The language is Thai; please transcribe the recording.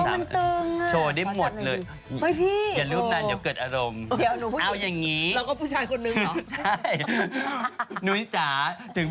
เราเจอกันตั้งแต่๑๔ปีนี้หนู๓๖แล้ว